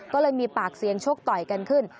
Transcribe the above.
ก็เลยมีปากเสียงชกต่อยกันขึ้น